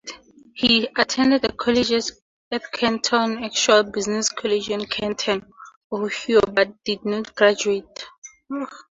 He attended college at Canton Actual Business College in Canton, Ohio.but did not graduate.